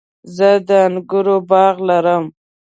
زه د انګورو باغ لرم